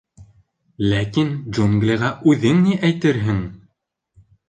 Ләкин джунглиға үҙең ни әйтерһең?